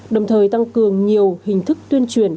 đồng thời tăng cường nhiều hình thức tuyên truyền